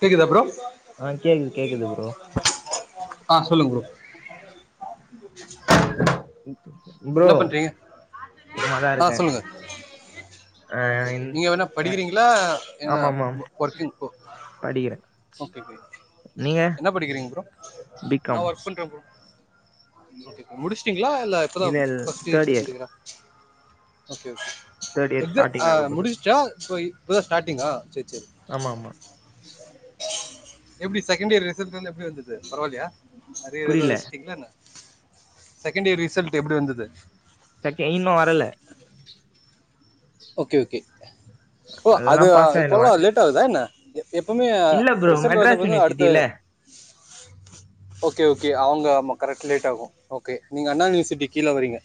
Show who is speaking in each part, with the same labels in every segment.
Speaker 1: கேக்குதா ப்ரோ?
Speaker 2: ஆ கேக்குது கேக்குது ப்ரோ
Speaker 1: ஆ சொல்லுங் ப்ரோ.
Speaker 2: ப்ரோ
Speaker 1: என்ன பண்றீங்க?
Speaker 2: சும்மாதா
Speaker 1: ஆ
Speaker 2: இருக்கே
Speaker 1: சொல்லுங்க.
Speaker 2: ஆ
Speaker 1: ஓகே ஓகே
Speaker 2: இன்-
Speaker 1: நீங்க வெனா
Speaker 2: ஆ,
Speaker 1: படிக்கிறீங்களா எதனா ஒ ஒர்க்கிங் ஒ
Speaker 2: படிகிறே.
Speaker 1: என்னா படிக்கிறீங் ப்ரோ?
Speaker 2: பி
Speaker 1: நா
Speaker 2: காம்
Speaker 1: ஒர்க் பண்றே ப்ரோ ஓகே ஓகே முடிச்டிங்ளா இல்ல இப்பதா ஃபஸ்ட் இயர் செகண்ட் இயரா ஓகே ஓகே.
Speaker 2: தேர்ட் இயர்
Speaker 1: எக்ஸா
Speaker 2: ஸ்டார்டிங்
Speaker 1: அ
Speaker 2: ஆக போது
Speaker 1: முடிஸ்சா இப்ப இப்பதா ஸ்டாடிங்கா சேர் சேரி.
Speaker 2: ஆமாமா.
Speaker 1: எப்டி செகண்ட் இயர் ரிசல்ட் எல்லா எப்டி வந்துது பரவால்லையா அரியர் எது
Speaker 2: புரியல
Speaker 1: வெச்ட்டிங்ளா என்ன? செகண்ட் இயர் ரிசல்ட் எப்டி வந்துது?
Speaker 2: செக்க இன்னு வரல.
Speaker 1: ஓகே ஓகே ஓ
Speaker 2: அதெல்லா
Speaker 1: அது
Speaker 2: பாஸ் ஆயிடுவே
Speaker 1: இப்போல்லா லேட் ஆகுதா என்ன எப்பவுமே
Speaker 2: இல்ல ப்ரோ
Speaker 1: ரிசல்ட் வந்த
Speaker 2: மெட்ராஸ்
Speaker 1: பிறகு தா அடுத்த
Speaker 2: யூனிவர்சிட்டில
Speaker 1: ஓகே ஓகே அவுங்க ஆமா கரெக்ட் லேட் ஆகு ஓகே நீங்க அண்ணா யூனிவர்சிட்டி கீழ வரிங்க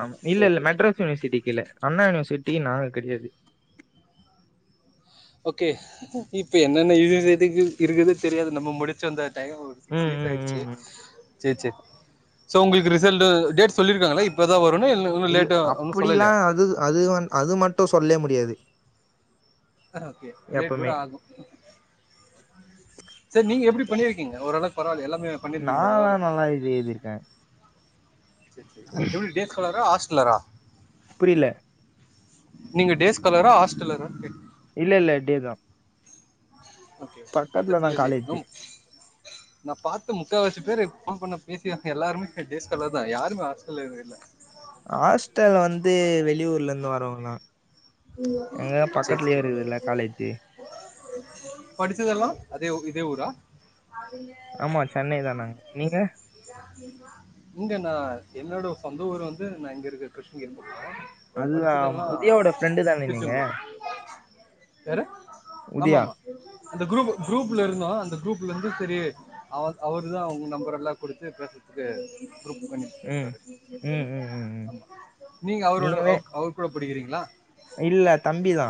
Speaker 2: ஆம் இல்ல இல்ல மெட்ராஸ் யூனிவர்சிட்டிக்கு கீழ அண்ணா யுனிவர்சிட்டி நாங்க கெடையாது
Speaker 1: ஓகே இப்ப என்னென்ன யூனிவர்சிட்டி இருக்குது தெரியாது நம்ப முடிச்சு வந்தா டையமு ஒரு சிக்ஸ்
Speaker 2: ம்
Speaker 1: இயர்ஸ்
Speaker 2: ம்
Speaker 1: ஆயிடுச்சி
Speaker 2: ம் ம்
Speaker 1: சேர் சேர் சோ உங்களுக்கு ரிசல்ட் டேட் சொல்லிருக்காங்ளா இப்பதா வரும்னு இல்ல இன்னு
Speaker 2: இல்
Speaker 1: லேட்டா ஒன்னு
Speaker 2: அப்புடிலா
Speaker 1: சொல்லலையா
Speaker 2: அது அது வந் அது மட்டு சொல்லே முடியாது
Speaker 1: ஆ ஓகே லேட் கூட
Speaker 2: எப்பமே
Speaker 1: ஆகும் செரி நீங்க எப்டி பண்ணிருக்கீங்க ஓரளவுக்கு பரவால்லையா எல்லாமே
Speaker 2: நான்லா நல்லா இது எழுதிருக்க
Speaker 1: சேர் சேரி எப்டி டேஸ்க்காலாரா ஆஸ்ட்லரா
Speaker 2: புரில
Speaker 1: நீங்க டேஸ்காலரா ஆஸ்டலரா
Speaker 2: இல்ல இல்ல டே தா
Speaker 1: ஓகே பக்கத்துல இருந்தே
Speaker 2: காலேஜு
Speaker 1: ம் நா பாத்த முக்காவாசி பேரு ஃபோன் பண்ண பேசினவங்க எல்லாருமே டேஸ்காலர் தா யாருமே ஆஸ்டலறு இல்ல
Speaker 2: ஆஸ்டல் வந்து வெளியூர்ல இருந்து வரவங்க தா எங்க
Speaker 1: சேரி
Speaker 2: பக்கத்துலயே
Speaker 1: சேரி
Speaker 2: இருக்குதுல்லா காலேஜி
Speaker 1: படிச்சதெல்லா அதே இதே ஊரா
Speaker 2: ஆமா சென்னை தா நாங்க நீங்க
Speaker 1: மா இங்க நா என்னோட சொந்த ஊர் வந்து நா இங்க இருக்க கிருஷ்ணகிரில
Speaker 2: அதுதா உதயாவோட ஃப்ரெண்டு தானே நீங்க
Speaker 1: திருச்செந்தூர் யாரு ஆமா
Speaker 2: உதயா
Speaker 1: ஆமா அந்த குரூப் குரூப்ல இருந்தோ அந்த குரூப்ல இருந்து செரி அவ அவரு தா உங்க நம்பர் எல்லா குடுத்து பேசுறதுக்கு குரூப் பண்ணி
Speaker 2: ம் ம் ம் ம் ம்
Speaker 1: நீங்க அவரோட
Speaker 2: நீங்கவே
Speaker 1: அவர் கூட படிக்கிறீங்ளா
Speaker 2: இல்ல தம்பிதா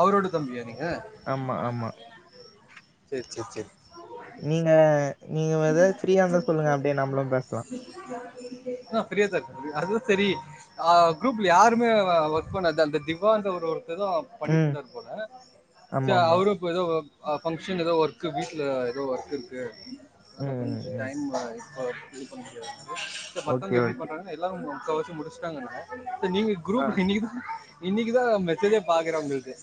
Speaker 1: அவரோட தம்பியா நீங்க
Speaker 2: ஆமா ஆமா
Speaker 1: சேர் சேர் சேரி
Speaker 2: நீங்க நீங்க ஏதாது ஃப்ரீயா இருந்தா சொல்லுங்க அப்டியே நம்மளு பேசலா
Speaker 1: ஆ ஃப்ரியா தா இருக்க அது தா செரி ஆ குரூப்ல யாருமே ஒர்க் பண்ணாது அந்த திவான்ற ஒருத்தர் தா பண்ணிட்டு
Speaker 2: ம்
Speaker 1: இருந்தார் போல சேர்
Speaker 2: ஆமாமா
Speaker 1: அவரும் இப்ப ஏதோ அ பங்க்ஷன் ஏதோ ஒர்க் வீட்டுல ஏதோ ஒர்க் இருக்கு அந்த
Speaker 2: ம் ம்
Speaker 1: கொஞ்ச
Speaker 2: ம்
Speaker 1: டைம் அ இப்ப இது பண்ண முடியாது
Speaker 2: ஓகே
Speaker 1: மத்தவங்க எப்டி
Speaker 2: ஓகே
Speaker 1: பண்றாங்க எல்லாரு முக்கவாசி முடிச்சிட்டாங்க
Speaker 2: ஆ
Speaker 1: இன்னிக்கி தா மெசேஜே பாக்குற உங்கள்து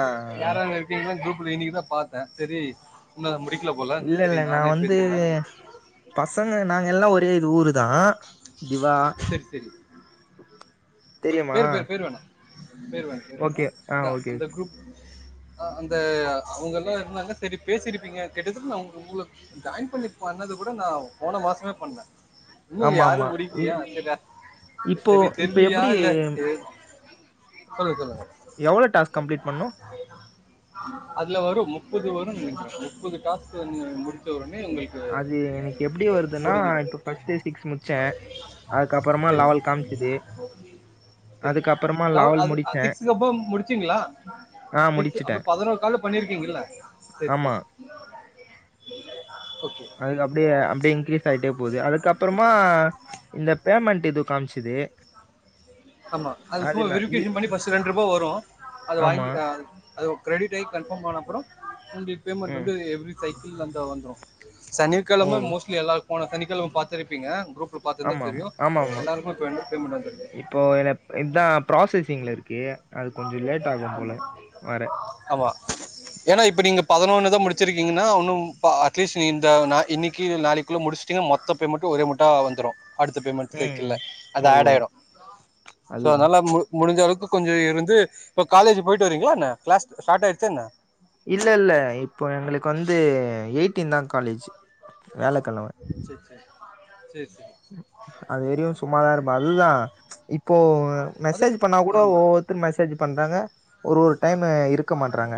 Speaker 2: ஆ ஆ ஆ
Speaker 1: யார அங்க அதிகமா குரூப்ல இன்னிக்கி தா பாத்தே சேரி இன்னு முடிக்கல போல சரி
Speaker 2: இல்லல்ல நா
Speaker 1: நானே
Speaker 2: வந்து
Speaker 1: பேசிடலான்னு
Speaker 2: பசங்க நாங்க எல்லா ஒரே இது ஊரு தா திவா தெரியுமா
Speaker 1: பேரு பேரு பேரு வேணா பேரு வேணா பேரு
Speaker 2: ஓகே ஆ ஓகே
Speaker 1: வேணா ஆ அந்த அவுங்கல்லா இருந்தாங்க சேரி பேசிருப்பிங்க கேட்டதுக்கு அவுங்க மூல ஜாயின் பண்ணி பண்ணது கூட நா போன மாசமே பண்ண இன்னு யாரு
Speaker 2: ஆமாமா
Speaker 1: முடிக்
Speaker 2: இது
Speaker 1: யா எத
Speaker 2: இப்போ
Speaker 1: செரி
Speaker 2: இப்ப
Speaker 1: தெர்லியா
Speaker 2: எப்படி
Speaker 1: இல்ல சேரி சொல்லுங்க சொல்லுங்க
Speaker 2: எவ்வளோ டாஸ்க் கம்ப்ளீட் பண்ணோம்?
Speaker 1: அதுல வரும் முப்பது வரும் முப்பது டாஸ்க் முடிச்ச ஒடனே ஒங்களுக்கு
Speaker 2: அது எனக்கு எப்டி வருதுன்னா இப்ப ஃபர்ஸ்ட்டு சிக்ஸ் முட்ச்சேன் அதுக அப்புறமா லவல் காமிச்சுது
Speaker 1: சரி‌ லவள் அது
Speaker 2: முடிச்சேன்.
Speaker 1: சிக்ஸ் அப்பறம் முடிச்சிங்களா
Speaker 2: ஆ
Speaker 1: சிக்ஸ் அப்ப
Speaker 2: முடிச்சுட்டேன்.
Speaker 1: பதினோரு கால பண்ணிருக்கீங்கல்ல சேர்
Speaker 2: ஆமா.
Speaker 1: சேர் ஓகே
Speaker 2: அதுக்கு அப்டியே அப்டியே இன்க்கிரீஸ் ஆயிட்டே போகுது அதுக்கப்புறமா இந்த பேமெண்ட் இது காமிசிது
Speaker 1: ஆமா அது சும்மா
Speaker 2: இ
Speaker 1: வெரிபிகேஷன் பண்ணி பஸ்ட் ரெண்டு ரூபா வரும் அது
Speaker 2: ஆமா.
Speaker 1: வாங்கி அ அது கிரெடிட் ஆகி கன்ஃபார்ம் ஆன அப்றோம் உங்கடி பேமெண்ட்
Speaker 2: ம்.
Speaker 1: வந்து எவ்ரி சைக்கிள் அந்த வந்துரும் சனிக்கிழமை
Speaker 2: ஓ!
Speaker 1: மோஸ்ட்லி எல்லாருக்கும் போன சனிக்கிழமை பார்த்திருப்பீங்க
Speaker 2: ஆமா ஆமா ஆமா ஆமா
Speaker 1: வந்து பேமெண்ட் வந்துருக்கு
Speaker 2: இப்போ என இதா ப்ராசஸிஙில் இருக்கு அது கொஞ்சோ லேட் ஆகும் போல வர
Speaker 1: ஆமா ஏன்னா இப்ப நீங்க பதினொன்னு தான் முடிச்சிருக்கீங்கன்னா ஒன்னும் அட்லீஸ்ட் இந்த ந இன்னிக்கு நாளைக்கு அதுகுள்ள முடிச்டீங்க மொத்த பேமெண்ட் ஒரே மட்டா வந்துரும் அடுத்த பேமெண்ட்
Speaker 2: ம்.
Speaker 1: தைக்கல அது
Speaker 2: ஓ!
Speaker 1: ஆட் ஆய்டும் சோ
Speaker 2: அதுதான்.
Speaker 1: அதனால மு மு முடிஞ்ச அளவுக்கு கொஞ்ச இருந்து இப்ப காலேஜ் போயிட்டு வரீங்களா என்ன கிளாஸ் ஸ்டார்ட் ஆய்ரிச்சா என்ன
Speaker 2: இல்ல இல்ல இப்போ எங்களுக்கு வந்து எயிட்டீன் தான் காலேஜ் வேலக்கிழம
Speaker 1: சேர் சேர் சேர் சேர்
Speaker 2: அது வெறும் சும்மாதான் இருக்கும் அதுதான் இப்போ
Speaker 1: அதுக்கு
Speaker 2: மெசேஜ் பண்ணா கூட
Speaker 1: ஆமா
Speaker 2: ஓ திரும்ப மெசேஜ் பண்றாங்க ஒரு ஒரு டைம் இருக்க மாட்றாங்க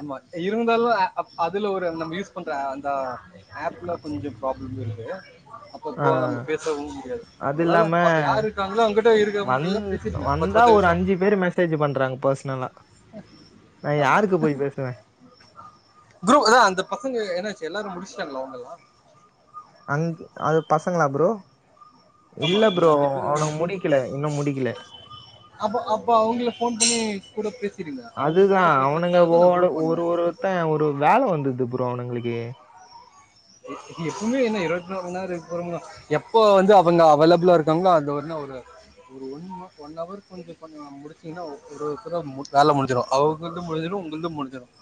Speaker 1: ஆமா இருந்தாலும் அதுல ஒரு நம்ம யூஸ் பண்ற அந்த ஆப்ல கொஞ்சோ ப்ராப்ளம் இருக்கு அப்ப
Speaker 2: ஆ
Speaker 1: போ நம்ம பேசவும் முடியாது
Speaker 2: அது
Speaker 1: அதெல்லாம்
Speaker 2: இல்லாம
Speaker 1: யார் இருக்காங்களோ அவங்ககிட்ட இருக்கிறவங்க
Speaker 2: வந்
Speaker 1: ஃபுல்லா பே
Speaker 2: வந்தா ஒரு அஞ்சு பேரு மெசேஜ் பண்றாங்க பர்சனலா நான்
Speaker 1: ஆமா
Speaker 2: யாருக்கு போய் பேசுவேன்
Speaker 1: ப்ரோ அதான் அந்த பசங்க என்னாச்சு எல்லாரும் முடிச்டாங்களா அவுங்கல்லாம்
Speaker 2: அங் அந்த பசங்களா ப்ரோ
Speaker 1: ஆமா
Speaker 2: இல்ல
Speaker 1: அந்த
Speaker 2: ப்ரோ
Speaker 1: அஞ்சு பேரு ஒரு
Speaker 2: அவனுங்க
Speaker 1: குரூப்
Speaker 2: முடிக்கல இன்னும் முடிக்கல
Speaker 1: அப்ப அப்ப அவுங்கள போன் பண்ணி கூட பே
Speaker 2: அதுதான் அவனுங்க போட
Speaker 1: பண்ண
Speaker 2: ஒரு ஒருத்தான் ஒரு வேலை வந்தது ப்ரோ அவனுங்களுக்கு
Speaker 1: எப்பவுமே என்ன இருவத்திநாலு மணி நேரம் இருக்குறோமா எப்போ வந்து அவங்க அவைலபிளா இருக்காங்களோ அந்த ஒன் ஒரு ஒரு ஒன் ஹவ ஒன் ஹவர் கொஞ்சோ பண்ணா முடிச்சிங்கன்னா ஒருத்தர் ஒருத்தர் வேலை முடிஞ்சிடும் அ அவங்கள்து முடிஞ்சிடும் உங்கள்ந்து முடிஞ்சிடும்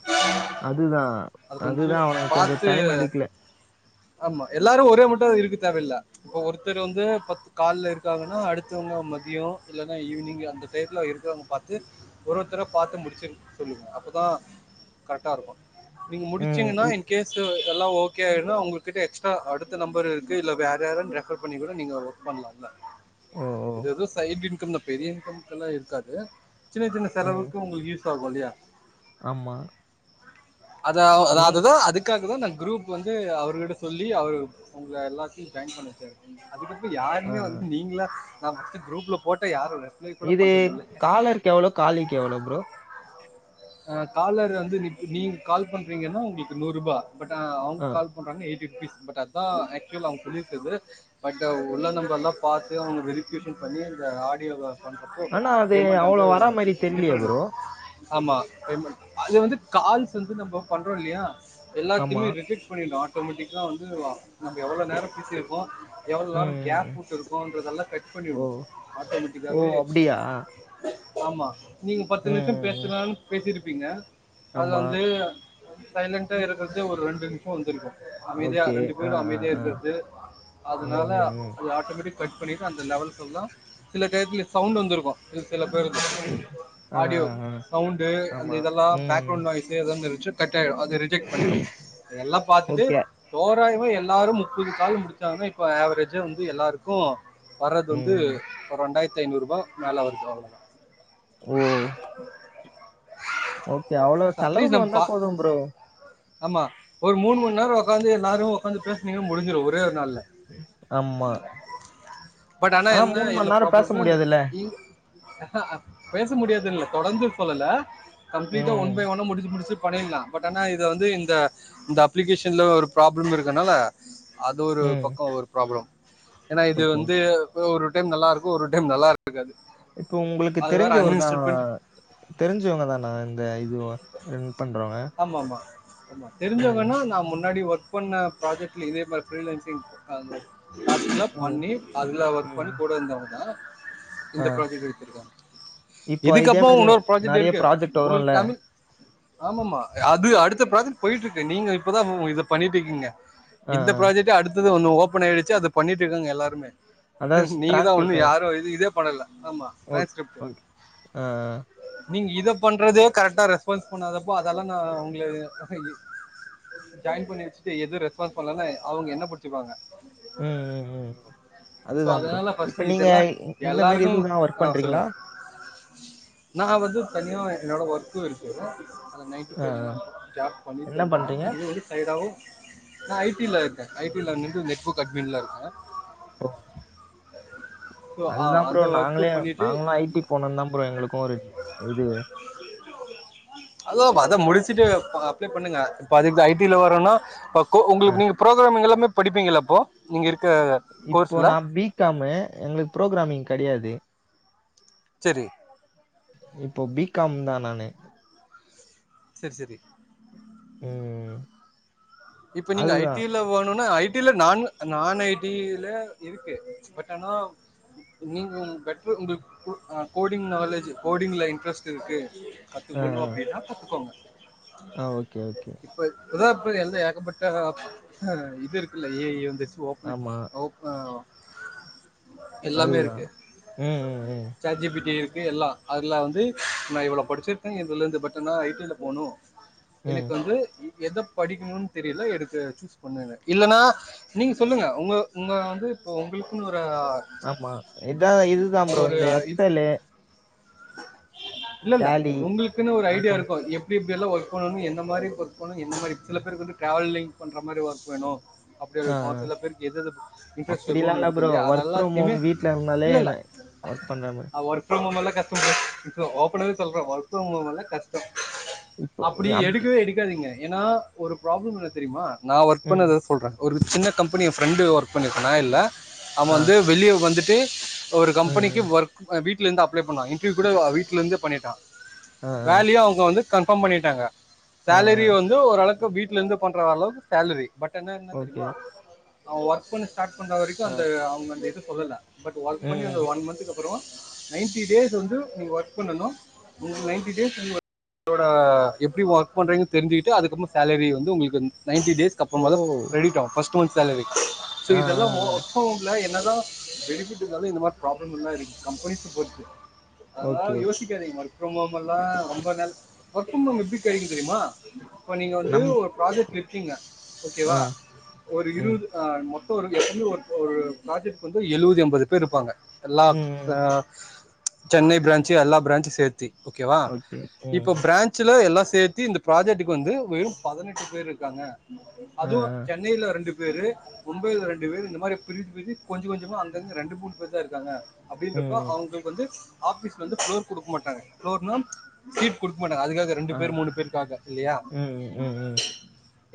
Speaker 2: அதுதான்
Speaker 1: அது கொஞ்சம்
Speaker 2: அதுதான் அவனுங்க கொஞ்சம்
Speaker 1: பாத்து
Speaker 2: டைம் எடுக்கல
Speaker 1: ஆமா எல்லாரும் ஒரே மட்டா இருக்கு தோவல்ல இப்போ ஒருத்தர் வந்து பத்து கால்ல இருக்காங்கன்னா அடுத்தவங்க மதியம் இல்லைனா ஈவினிங் அந்த டைத்துல இருக்கவங்க பார்த்து ஒரு ஒருத்தரை பார்த்து முடிச்சு சொல்லுங்க அப்போதான் கரெக்டா இருக்கும் நீங்க
Speaker 2: ம்.
Speaker 1: முடிச்சீங்கன்னா
Speaker 2: இ
Speaker 1: இன் கேஸ் எல்லாம் ஓ ஓகேநா உங்ககிட்ட எக்ஸ்ட்ரா அடுத்த நம்பர் இருக்கு இல்ல வேற யாரும் ரெஃபர் பண்ணி கூட நீங்க ஒர்க் பண்ணலாம்ல
Speaker 2: ஓ! ஓ,
Speaker 1: இது இது சைட் இன்கம் தான் பெரிய இன்கம் எல்லாம் இருக்காது சின்ன சின்ன
Speaker 2: ம்.
Speaker 1: செலவுக்கு உங்களுக்கு யூஸ் சாகும் இல்லையா
Speaker 2: ஆமா
Speaker 1: அத அத
Speaker 2: நீ
Speaker 1: அதுதா அதுக்காகதா நா குரூப் வந்து அவருகிட்ட சொல்லி அவரு உங்ள எல்லாத்தையு ஜாயின் பண்ண வுட்டாரு அதுக்கப்றோ
Speaker 2: ஆ.
Speaker 1: யாருமே வந்து நீங்ளா நா ஃபர்ஸ்ட் குரூப்ல போட்ட யாரு
Speaker 2: இது காலர்க் எவ்ளோ காலிக்கு எவ்ளோ ப்ரோ
Speaker 1: ஆ காலர் வந்து நீங்க கால் பண்றீங்ன்னா உங்ளுக்கு நூறு ரூபா பட் ஆ கால் பண்றாங்னா எயிட்டி ருபீஸ் பட் அதா ஆக்சுவல் அவுங்க சொல்லிருக்கது பட் உள்ள நம்பர்ல்லா பாத்து அவுங்க வெரிஃபிகேஷன் பண்ணி இந்த ஆடியோவ பண்றப்போ
Speaker 2: ஆனா அது
Speaker 1: பேமெண்ட்
Speaker 2: அவ்வளோ
Speaker 1: வந்து
Speaker 2: வரா மாரி தெரியலையே
Speaker 1: டிஃப்ரெண்ட்
Speaker 2: ப்ரோ.
Speaker 1: ஆமா பேமெண்ட் அது வந்து கால்ஸ் வந்து நம்ப பண்றோ இல்லயா
Speaker 2: ஆமா.
Speaker 1: எல்லாத்தையுமே ரிஜெக் ட் பண்ணிடு ஆட்டோமேட்டிகா வந்து நம்ப எவ்ளோ நேரோ பேசிருக்கோ எவ்ளோ
Speaker 2: ம்.
Speaker 1: நேரோ
Speaker 2: ம்.
Speaker 1: கேப்
Speaker 2: ம்.
Speaker 1: வுட்டுருக்கோன்றதெல்லா கட்
Speaker 2: ஓ!
Speaker 1: பண்ணிடு ஆட்டோமேட்டிகா
Speaker 2: ஓ அப்டியா
Speaker 1: ஆமா நீங்க பத்து நிம்ஷோ
Speaker 2: ம்.
Speaker 1: பேசலான்னு பேசிருப்பீங்க அது
Speaker 2: ஆமா.
Speaker 1: வந்து சைலண்டா இருக்கறதே ஒரு ரெண்டு நிம்ஷோ வந்திருக்கு அமைதியா
Speaker 2: ஓகே.
Speaker 1: ரெண்டு
Speaker 2: ஆ,
Speaker 1: பேரு
Speaker 2: ஆ,
Speaker 1: அமைதியா
Speaker 2: ஆ.
Speaker 1: இருக்கிறது
Speaker 2: ம்.
Speaker 1: அதனால
Speaker 2: ம். ம்.
Speaker 1: அது ஆட்டோமேட்டிக் கட் பண்ணிட்டு அந்த லெவல் சொல்ல சில டைப்ல சவுண்ட் வந்துருக்கு சில சில பேரு
Speaker 2: ஆ,
Speaker 1: ஆடியோ
Speaker 2: ஆ, ஆ.
Speaker 1: சவுண்டு அந்த
Speaker 2: ஆமா.
Speaker 1: இதெல்லா
Speaker 2: ம்.
Speaker 1: பேக்ரவுண்ட் நாய்ஸ் ஏதோ மாறி நெச்சு கட்டாகிடு அது ரிஜெக்ட் பண்ணிடு இதெல்லா பாத்துட்டு
Speaker 2: ஓகே.
Speaker 1: தோராயமா எல்லாரு முப்பது கால் முடிச்சாங்கன்னா இப்ப ஆவ்ரேஜா வந்து எல்லாருக்கு வர்றது வந்து
Speaker 2: ம்.
Speaker 1: ஒரு ரெண்டாயிரத்தி ஐநூறு ரூபா மேல வருது அவ்ளோ தா
Speaker 2: ஓ ஓகே அவ்ளோ
Speaker 1: அட்லீஸ்ட்
Speaker 2: செலவுக்கு
Speaker 1: நம்ம
Speaker 2: வந்தா
Speaker 1: பா
Speaker 2: போது ப்ரோ
Speaker 1: ஆமா ஒரு மூனு மண் நேரோ ஒக்காந்து எல்லாரு ஒக்காந்து பேசுனீங்க முடிஞ்சிடு ஒரே ஒரு நாள்ல
Speaker 2: ஆமா.
Speaker 1: பட் ஆனா என்ன
Speaker 2: மணி
Speaker 1: இதுல
Speaker 2: நேரம் பேச
Speaker 1: ப்ராப்ளம்னா இந்த
Speaker 2: முடியாதுல்ல?
Speaker 1: இங் அஹ பேச முடியாது இல்ல தொடர்ந்து சொல்லல கம்ப்ளீட்டா ஒன்
Speaker 2: ம்.
Speaker 1: பை ஒன்ன முடிச்சு முடிச்சு பண்ணிலா பட் ஆனா இ து வந்து இந்த இந்த அப்ளிகேஷன்ல ஒரு ப்ராப்ளம் இருக்கனால அது ஒரு
Speaker 2: ம்.
Speaker 1: பக்கோ ஒரு ப்ராப்ளம் ஏன்னா இது
Speaker 2: ஓகே.
Speaker 1: வந்து ஒரு டைம் நல்லா இருக்கு ஒரு டைம் நல்லா இருக்காது
Speaker 2: இப்போ ஒங்களுக்கு
Speaker 1: அது வேற
Speaker 2: தெரிஞ்சவரு தா
Speaker 1: அன்இன்ஸ்டால் பண்ணி
Speaker 2: தெரிஞ்சவங்க தானா இந்த இதுவ ரன் பண்றோங்க
Speaker 1: ஆமாமா தெரிஞ்சவங்கனா நா முன்னாடி ஒர் க் பண்ண ப்ராஜெக்ட்ல இதே மாறி ஃப்ரீலைன்சிங் ஆ அந்த ப்ராஜெட்ல
Speaker 2: ஓ!
Speaker 1: பண்ணி அதுல ஒர்க் பண்ணி
Speaker 2: ம்.
Speaker 1: கூட இருந்தவங்க தா
Speaker 2: ஆ.
Speaker 1: இந்த ப்ராஜெக்ட் எடுத்துருக்காங்க
Speaker 2: இப்போ இதே
Speaker 1: இதுக்கப்றோ
Speaker 2: மாரி
Speaker 1: உன்னொரு ப்ராஜெக்ட்
Speaker 2: நெறைய
Speaker 1: இருக்கு
Speaker 2: ப்ராஜெக்ட் வரும்ல.
Speaker 1: உங்ளுக்கு தமிழ் ஆமாமா அது அடுத்த ப்ராஜெட் போயிட்ருக்கு நீங்க இப்பதா உ இத பண்ணிட்ருக்கீங்க
Speaker 2: ஆ,
Speaker 1: இந்த
Speaker 2: ஆ.
Speaker 1: ப்ராஜெட்டே அடுத்தது ஒன்னு ஓபன் ஆய்டுச்சு அத பண்ணிட்ருக்காங்க எல்லாருமே
Speaker 2: அதான்
Speaker 1: நீங்கதா உண்ணு
Speaker 2: டிரான்ஸ்கிரிப்ஷன்.
Speaker 1: யாரு இது இதே பண்ணல ஆமா
Speaker 2: ஓக்
Speaker 1: ட்ரான்ஸ்க்ரிப்ட்
Speaker 2: ஓகே. ஆ, ஆ.
Speaker 1: நீங்க இத பண்றதே கரெக்டா ரெஸ்பான்ஸ் பண்ணாதப்போ அ தெல்லா நா உங்ள ஜாயின் பண்ணி வச்சுட்டு எது ரெஸ்பான்ஸ் பண்லனா அவுங்க என்ன புடு ச்சுப்பாங்க
Speaker 2: அதுதா ப்ரோ இப்ப நீங்க இந்த மாறி
Speaker 1: எல்லாருக்கும்
Speaker 2: இது வேனா ஒர்க் பண்றீங்ளா
Speaker 1: நா வந்து தனியா என்னோட ஒர்க்கு இருக்கு அத நைன் டூ
Speaker 2: ஆ,
Speaker 1: ஃபைவ்
Speaker 2: ஆ.
Speaker 1: ஜாப் பண்ணிட்டு
Speaker 2: என்ன
Speaker 1: தா
Speaker 2: பண்றீங்க?
Speaker 1: இருக்கே இது வந்து சைடாவு நா ஐடில இருக்கே ஐடில வந்துட்டு நெட்பூக் அட்மின்ல இருக்கே
Speaker 2: ஒ
Speaker 1: ஸோ
Speaker 2: அதுதா ப்ரோ
Speaker 1: அந்த ஒர்க்கு
Speaker 2: நாங்களே
Speaker 1: பண்ணிட்டு
Speaker 2: நாங்களு ஐ டி போனுன் தா ப்ரோ எங்குளுக்கு ஒரு இது
Speaker 1: அதா பா அதா முடிச்சுட்டு ஆ அப்ளை பண்ணுங்க பாதி ஐடில வருன்னா அ கோ
Speaker 2: அ.
Speaker 1: உங்ளுக்கு நீங்க ப்ரோக்ராமிங் எல்லாமே படிப்பீங்களா ப்ரோ இங்கிருக்க
Speaker 2: இப்போ நா பிகமு எங்குளுக்கு ப்ரோக்ராமிங் கெடையாது
Speaker 1: சரி
Speaker 2: இப்போ பிகாம் தா நானு
Speaker 1: சரி சரி
Speaker 2: ம்
Speaker 1: இப்ப நீங்க
Speaker 2: அதுதான்.
Speaker 1: ஐடில் க்ல வேணுனு ஐடில நான் நான் ஐடில இருக்கு பட் ஆனா நீங்க பெட்ரு உங்களுக்கு கு அ கோடிங் நாலேஜ் கோடிங்ல இன்ட்ரெஸ்ட் இருக்கு
Speaker 2: ஆ,
Speaker 1: கத்துக்கணு
Speaker 2: ஆ.
Speaker 1: அப்டின்னா கத்துக்கோங்க
Speaker 2: ஆ ஓகே, ஓகே.
Speaker 1: இப்ப அதா இப்ப எந்த ஏகப்பட்ட ஆ இது இருக்குல்ல ஏ ஐ வந்துர்ச்சு ஓப்னு
Speaker 2: ஆமா.
Speaker 1: ஓப் அ எல்லாமே இருக்கு
Speaker 2: அதுதான். ம், ம், ம்.
Speaker 1: சாட் ஜி பி டி இருக்கு எல்லா அதுல வந்து நா இவ்ளோ படிச்சிருக்க இதுலருந்து பட் ஆனா ஐ டி ல போணு எனக்கு
Speaker 2: ம்.
Speaker 1: வந்து எத படிக்ணுன் தெரில எடுத்து பண்ணுங்க இல்லனா நீங்க சொல்லுங்க உங்க உங்க வந்து இப்ப உங்ளுக்குனு ஒரு அ
Speaker 2: ஆமா இதா இதுதா ப்ரோ இந்த எத்தலு
Speaker 1: இல்லல்ல
Speaker 2: டேலி,
Speaker 1: உங்ளுக்குனு ஒரு ஐடியா
Speaker 2: அக்கவுண்ட்ஸ்
Speaker 1: இருக்கு எப் எப்டி எப்டி எல்லா ஒர்க் வேணு எந்த மாரி ஒர்க் வேணு எந்த மாரி சில பேருக்கு வந்து ட்ராவ்லிங் பண்ற மாரி ஒர்க் வேணு அப்டி
Speaker 2: ஆ,
Speaker 1: இருக்கு
Speaker 2: ஆ.
Speaker 1: சில பேருக்கு எதெது இன்ட்ரெஸ்ட்
Speaker 2: அப்படிலாம்
Speaker 1: இருக்கு
Speaker 2: இல்ல
Speaker 1: இருக்கு
Speaker 2: ப்ரோ.
Speaker 1: இல்லயா அத
Speaker 2: ஒர்க் ஃப்ரம் ஹோம்
Speaker 1: எல்லாத்தியுமே
Speaker 2: வீட்ல இருந்தாலே
Speaker 1: இல்லல்ல
Speaker 2: ந ஒர்க் பண்ணாம
Speaker 1: ஒர்க் ஃப்ரம் ஹோம் எல்லா கஷ்டோ ப்ரோ ஓப்பனாவே சொல்ற ஒர்க் ஃப்ரம் ஹோம்னாலே கஷ்டோ
Speaker 2: இப்போ
Speaker 1: அப்டி
Speaker 2: அப்படி
Speaker 1: எடுக்கவே எடுக்காதீங்க ஏனா ஒரு ப்ராப்ளம் என்ன தெரியுமா நா ஒர்க்
Speaker 2: ம்.
Speaker 1: பண்ணத வச் சொல்ற ஒரு சின்ன கம்பனி ஏ ஃப்ரெண்டு ஒர்க் பண்ணி நா இல்ல அவே
Speaker 2: ஆ.
Speaker 1: வந்து வெளிய வந்துட்டு ஒரு
Speaker 2: ம்,
Speaker 1: கம்பனிக்கு
Speaker 2: ம்.
Speaker 1: ஒர்க் அ வீட்லேந்து அப்லே பண்ணா இ ன்ட்ரியூ கூட வீட்லேருந்தே பண்ணிட்டா
Speaker 2: ஆ, ஆ.
Speaker 1: வேலயு அவுங்க வந்து கன்ஃபார்ம் பண்ணிடாங்க
Speaker 2: ஆ, ஆ.
Speaker 1: சேலரி வந்து ஓரளக்கு வீட்லேருந்து பண்ற அளவுக்கு சேலரி பட் என்ன என்ன
Speaker 2: ஓகே.
Speaker 1: தெரிமா அவ ஒர்க் பண்ண ஸ்டார்ட் பண்ற வரிக்கு
Speaker 2: ஆ.
Speaker 1: அந்த அவுங்க அந்த இத சொல்லல பட்
Speaker 2: ம்,
Speaker 1: ஒர்க் பண்ணி அந்த
Speaker 2: ம்.
Speaker 1: ஒன் மந்த்க்கு அப் ப்ரோ நைன்டி டேஸ் வந்து நீங்க ஒர்க் பண்ணனு நைட்டி டேஸ் [inaudible] தோடா எப்டி ஒர்க் பண்றீங்க தெரிஞ்சுகிட்டு அதுக்கப்றோ சேலரி வந்து உங்ளுக்கு நைன்டி டேஸ்க்கு
Speaker 2: ஓ!
Speaker 1: அப்றமா தா க்ரெடிட் ஆகு ஃபஸ்ட் மந்த் சாலரி சோ
Speaker 2: ஆ,
Speaker 1: இதெல்லா
Speaker 2: ஆ,
Speaker 1: ஒ
Speaker 2: ஆ.
Speaker 1: [inaudible] ல என்னதா பெனிஃபிட் இருந்தாலு இந்த மாரி ப்ராப்ளம் எல்லா இருக்கு கம்பெனி [inaudible]
Speaker 2: ஓகே.
Speaker 1: அனால் யோசி ஒர்க் ஃப்ரம் ஹோம்மல்லா ரொம்ப கஷ் ஒர்க் ஃப்ரம் ஹோம் எப்டி கெடைக்கு தெரியுமா இப்ப நீங்க வந்து
Speaker 2: நம்
Speaker 1: ஒரு ப்ராஜெக்ட்ல இருக்கீங்க
Speaker 2: ஆ.
Speaker 1: ஓகேவா ஒரு
Speaker 2: ம்.
Speaker 1: இருவது ஆ மொத்தோ ஒரு எப்டியு ஒரு ப்ராஜெக்ட்க்கு வந்து எழுவது எம்பது பேர் இருப்பாங்க எல்லா
Speaker 2: ம்,
Speaker 1: அ
Speaker 2: ம்.
Speaker 1: சென்னை பிரான்ச்சு எல்லா பிரான்ச்சு சேத் தி ஓகேவா
Speaker 2: ஓகே. ம்.
Speaker 1: இப்ப பிரான்ச்சுல எல்லா சேத்தி இந்த ப்ராஜெக்ட்க்கு வந்து வெறு பதினெட்டு பேர் இருக்காங்க
Speaker 2: ஆ,
Speaker 1: அதுவு
Speaker 2: ஆ.
Speaker 1: சென்னைல ரெண்டு பேரு மும்பைல ரெண்டு பேர் இந்த மாரி பிரிச்சு பிரிச் கொஞ்சோ கொஞ்சமா அங்கங்க ரெண்டு மூண் பேர் தா இருக்காங்க
Speaker 2: ம்,
Speaker 1: அப்டின்றப்ப
Speaker 2: ம்.
Speaker 1: அவங்க வந்து ஆபீஸ்ல வந்து ஃப்ளோர் குடுக்க மாட்டாங்க ஃப்ளோர்னா சீட் குடுக்க மாட்டாங்க அதுக்காக ரெண்டு
Speaker 2: ஆ.
Speaker 1: பேர் மூணு பேருக்காக இல்லையா
Speaker 2: ம், ம், ம்.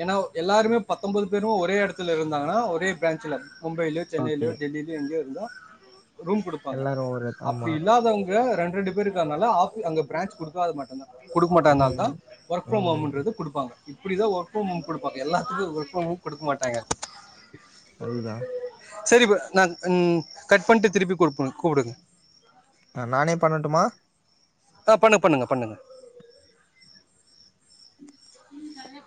Speaker 1: ஏன்னா எல்லாருமே பத்தொன்பது பேரு ஒரே இடத்துல இருந்தாங்கன்னா ஒரே பிரான்ச்ல மும்பைலே
Speaker 2: ஓகே.
Speaker 1: சென்னையிலயோ டெல்லிலயோ எங்கயோ இருந்தா ரூம் குடுப்பாங்க
Speaker 2: எல்லாரும் ஒரு ஆமா.
Speaker 1: அப்டி இல்லாதவங்க இங்கதா ரெண்டு ரெண்டு பேர் இருக்கனால ஆஃபி அங்க பிரான்ச் கொடுக்காதது மட்டும்தா குடுக்க மாட்டாதுனால
Speaker 2: ம்.
Speaker 1: தா ஒர்க் ஃப்ரம்
Speaker 2: ம்.
Speaker 1: ஹோமுன்றது குடுப்பாங்க இப்படிதா ஒர்க் ஃப்ரம் ஹோம் குடுப்பாங்க எல்லாத்துக்கு ஒர்க் ஃப்ரம் ஹோம் குடுக்க மாட்டாங்க
Speaker 2: அதுதா
Speaker 1: சரி இப்ப நான் கட் பண்ட்டு திருப்பி கூப் கூப்டுங்க
Speaker 2: ஆ நானே பண்ணட்டுமா
Speaker 1: அ பண்ணு பண்ணுங்க பண்ணுங்க